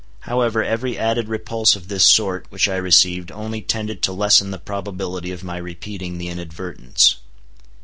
However, every added repulse of this sort which I received only tended to lessen the probability of my repeating the inadvertence.